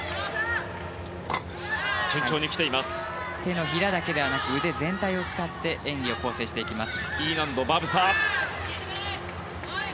手のひらだけでなく腕全体を使って演技を構成していきます。